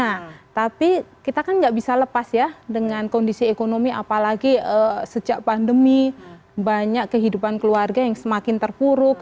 nah tapi kita kan nggak bisa lepas ya dengan kondisi ekonomi apalagi sejak pandemi banyak kehidupan keluarga yang semakin terpuruk